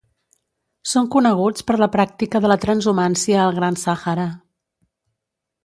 Són coneguts per la pràctica de la transhumància al gran Sàhara.